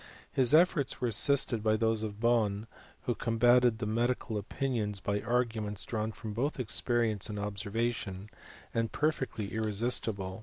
His efforts were assisted by those of Bohn, who com bated the medical opinions by arguments drawn both from experience and observation, and perfectly irresistible ;• Mem.